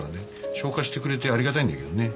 消化してくれてありがたいんだけどね。